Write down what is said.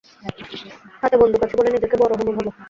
হাতে বন্দুক আছে বলে নিজেকে বড় হনু ভাবো।